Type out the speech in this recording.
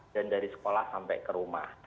dan dari sekolah sampai ke rumah